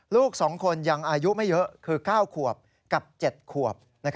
ลูก๒คนยังอายุไม่เยอะคือ๙ขวบกับ๗ขวบ